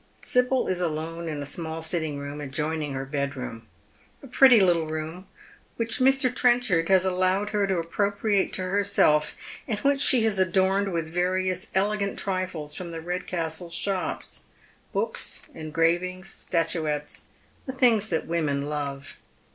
Sibyl is alone in a small sitting room adjoining her bedroom v a pretty little room which Mr. Trenchard has allowed her to appropriate to herself, and wliich she has adorned with various elegant trifles fi om the Eedcastle shops — books, engravings, statuettes — the things that women love.